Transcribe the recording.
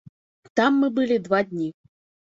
Там мы былі два дні.